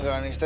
udah n cuatro